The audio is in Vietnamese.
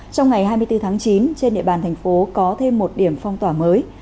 trong ngày hai mươi bốn tháng chín trên địa bàn thành phố có thêm một điểm phong tỏa mới